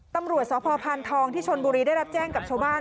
ตำรวจสพพานทองที่ชนบุรีได้รับแจ้งกับชาวบ้าน